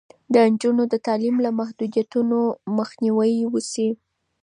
د نجونو د تعلیم له محدودیتونو مخنیوی وشي.